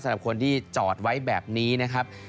สำหรับคนที่จอดไว้แบบนี้นะครับ